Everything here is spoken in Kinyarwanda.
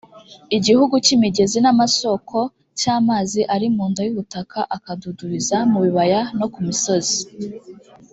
igihugu cy’imigezi n’amasoko, cy’amazi ari mu nda y’ubutaka akadudubiza mu bibaya no ku misozi,